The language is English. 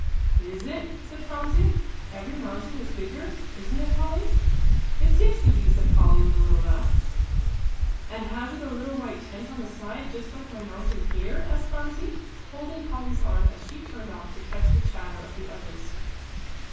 "Is it?" said Phronsie. "Every mountain is bigger, isn't it, Polly?" "It seems to be," said Polly, with a little laugh. "And has it a little white tent on the side, just like my mountain here?" asked Phronsie, holding Polly's arm as she turned off to catch the chatter of the others.